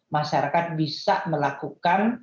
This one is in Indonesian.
masyarakat bisa melakukan